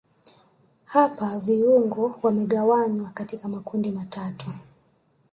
hapa viungo wamegawanywa katika makundi amtatu